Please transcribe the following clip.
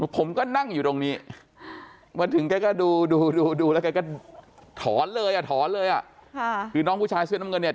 ผมก็นั่งอยู่ตรงนี้แล้วถึงก้าดูดูเเกิดท้อนเลยอ่ะคือน้องผู้ชายเสื้นน้ำเงินเนี่ย